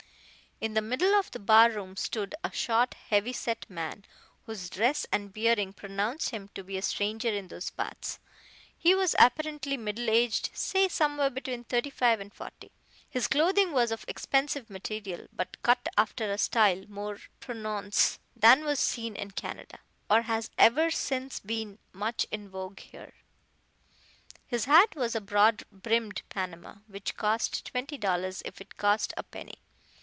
In the middle of the bar room stood a short heavy set man, whose dress and bearing pronounced him to be a stranger in those parts. He was apparently middle aged say somewhere between thirty five and forty. His clothing was of expensive material, but cut after a style more prononce than was then seen in Canada, or has ever since been much in vogue here. His hat was a broad brimmed Panama, which cost twenty dollars if it cost a penny.